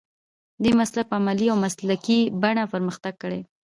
دې مسلک په عملي او مسلکي بڼه پرمختګ کړی دی.